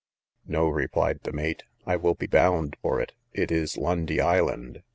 No, replied the mate, I will be bound for it, it is Lundy island.